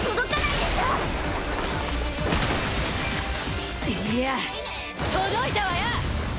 いいや届いたわよ！